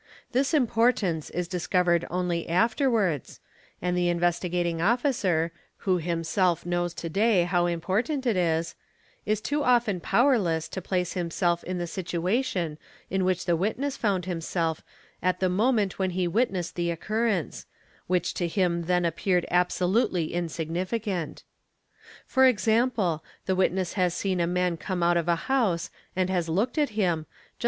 This importance is discovered only afterwards, and the Investigating Officer, who himself knows to day how important it is, is too often powerless to place himself in the situation in which the witness found himself at the moment when he witnessed the occurrence which to him then appeared absolutely insignificant. For example, the" witness has seen a man come out of a house and has looked at him, just.